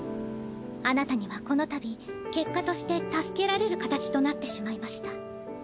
あなたにはこのたび結果として助けられる形となってしまいました。